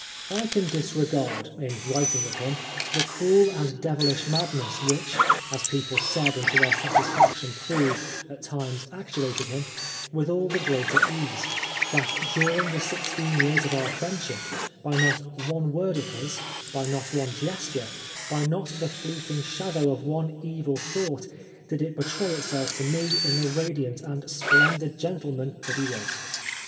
I can disregard, in writing of him, the 10 Oscar Wilde cruel and devilish madness which, as people said and to their satisfaction proved, at times actuated him, with all the greater ease, that during the sixteen years of our friendship, by not one word of his, by not one gesture, by not the fleeting shadow of one evil thought, did it betray itself to me in the radiant and splendid gentleman that he was.